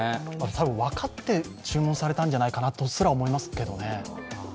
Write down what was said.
分かって注文されたんじゃないかなとすら思いますけどね。